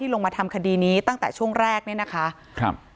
ที่ลงมาทำคดีนี้ตั้งแต่ช่วงแรกนี้นะคะ